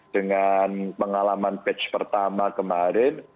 dengan pengalaman patch pertama kemarin